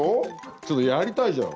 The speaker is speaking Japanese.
ちょっとやりたいじゃん。